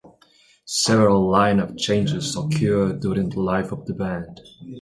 Several line-up changes occurred during the life of the band.